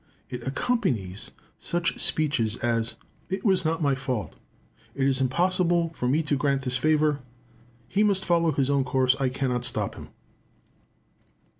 It accompanies such speeches as, "It was not my fault;" "It is impossible for me to grant this favour;" "He must follow his own course, I cannot stop him."